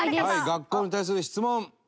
学校に対する質問。